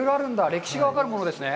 歴史が分かるものですね。